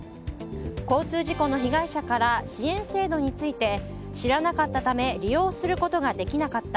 交通事故の被害者から支援制度について知らなかったため利用することができなかった。